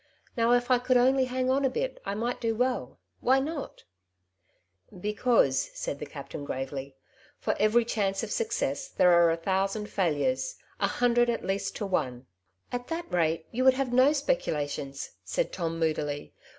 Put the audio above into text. Now if I could only hang on a bit I might do well ; why not ?" Tom's A dvice. 1 5 S '' Because/' said the captain gravely, '' for ovory chance of success there are a thousand fuiluroM— a hundred at least to one/' ''At that rate you would have no spoculationH/' said Tom moodily.